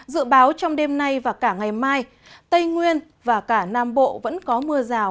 dự báo trong đêm nay và cả ngày mai tây nguyên và cả nam bộ vẫn có mưa rào